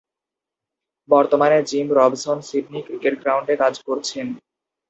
বর্তমানে Jim Robson Sydney cricket গ্রাউন্ডে কাজ করছেন।